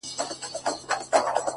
له څه مودې راهيسي داسـي يـمـه.